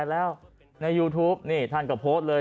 แล้วในยูทูปนี่ท่านก็โพสต์เลย